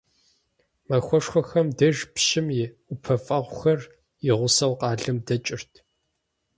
Махуэшхуэхэм деж пщым и ӀупэфӀэгъухэр и гъусэу къалэм дэкӀырт.